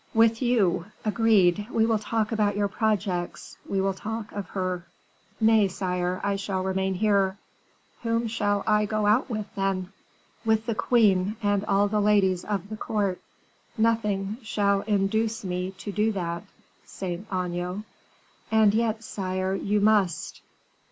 "With you agreed; we will talk about your projects, we will talk of her." "Nay, sire; I remain here." "Whom shall I go out with, then?" "With the queen and all the ladies of the court." "Nothing shall induce me to do that, Saint Aignan." "And yet, sire, you must."